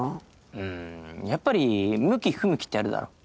うんやっぱり向き不向きってあるだろ。